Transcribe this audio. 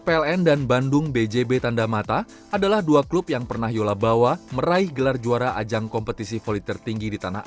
saling tergantung satu sama lain ya nggak bisa superstar sendirian